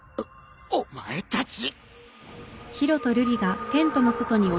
お前たち。